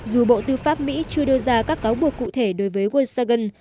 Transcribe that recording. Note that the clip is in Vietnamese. dù bộ tư pháp mỹ chưa đưa ra các cáo buộc cụ thể đối với wechagan